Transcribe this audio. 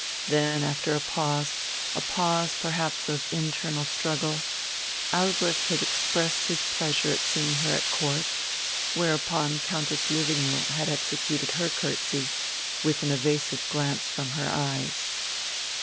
Then, after a pause, a pause perhaps of internal struggle, Albrecht had expressed his pleasure at seeing her at Court; whereupon Countess Löwenjoul had executed her curtsey, with an evasive glance from her eyes.